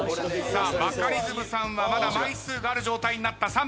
さあバカリズムさんはまだ枚数がある状態になった。